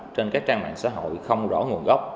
trên các trang mạng xã hội không rõ nguồn gốc